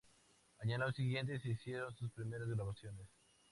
Al año siguiente se hicieron sus primeras grabaciones.